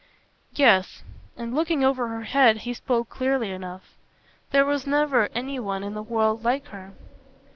"Yes." And looking over her head he spoke clearly enough. "There was never any one in the world like her."